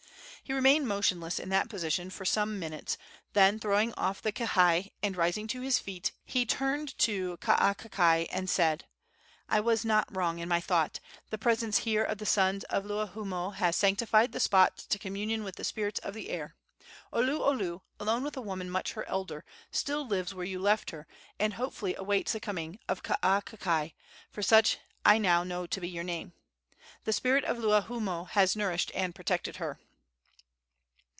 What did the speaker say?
He remained motionless in that position for some minutes; then throwing off the kihei and rising to his feet, he turned to Kaakakai and said: "I was not wrong in my thought. The presence here of the sons of Luahoomoe has sanctified the spot to communion with the spirits of the air. Oluolu, alone with a woman much her elder, still lives where you left her and hopefully awaits the coming of Kaakakai for such I now know to be your name. The spirit of Luahoomoe has nourished and protected her."